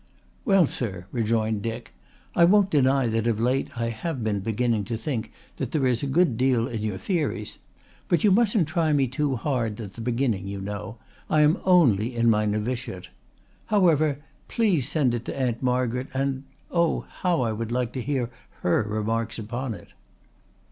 "Well, sir," rejoined Dick, "I won't deny that of late I have been beginning to think that there is a good deal in your theories. But you mustn't try me too high at the beginning, you know. I am only in my novitiate. However, please send it to Aunt Margaret, and oh, how I would like to hear her remarks upon it!"